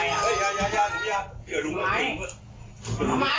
บิ๊บหลุงละบาการ